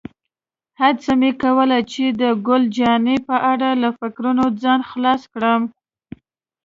هڅه مې کوله چې د ګل جانې په اړه له فکرونو ځان خلاص کړم.